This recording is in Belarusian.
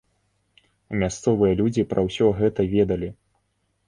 Мясцовыя людзі пра ўсё гэта ведалі.